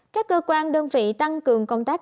các cơ quan đơn vị tăng cường công tác